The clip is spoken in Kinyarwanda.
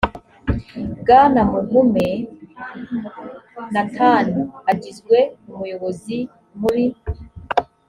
bwana mugume nathan agizwe umuyobozi mr